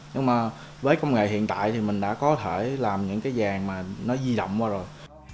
nhưng mà với công nghệ hiện tại thì mình đã có thể làm những cái vàng mà nó di động qua rồi